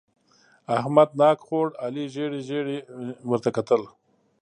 احمد ناک خوړ؛ علي ژېړې ژېړې ورته کتل.